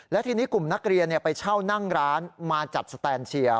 และทีนี้กลุ่มนักเรียนไปเช่านั่งร้านมาจัดสแตนเชียร์